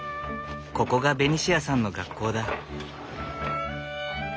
ここがベニシアさんの学校だ。